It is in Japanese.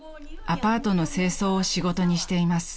［アパートの清掃を仕事にしています］